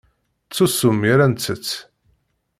Ttsusum mi ara nttett.